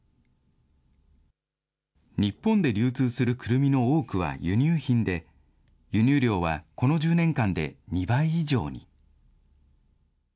日本で流通するくるみの多くは輸入品で、輸入量はこの１０年間で２倍以上に。